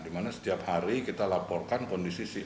di mana setiap hari kita laporkan kondisi si a si b si c